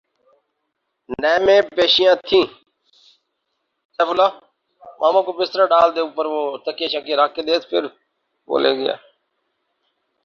NAB میں پیشیاں تھیں۔